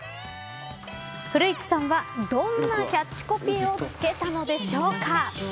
古市さんはどんなキャッチコピーを付けたのでしょうか。